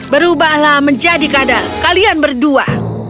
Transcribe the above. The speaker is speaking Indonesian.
berubahlah menjadi kada kalian berdua